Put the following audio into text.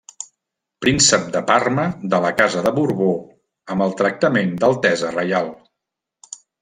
Príncep de Parma de la Casa de Borbó amb el tractament d'altesa reial.